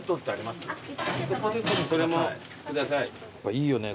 いいよね